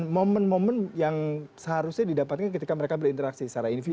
momen momen yang seharusnya didapatkan ketika mereka berinteraksi secara individu